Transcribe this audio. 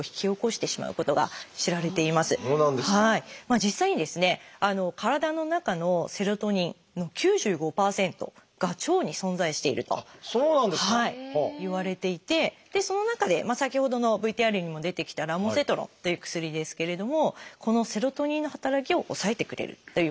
実際にですね体の中のセロトニンの９５％が腸に存在しているといわれていてその中で先ほどのＶＴＲにも出てきたラモセトロンという薬ですけれどもこのセロトニンの働きを抑えてくれるというものです。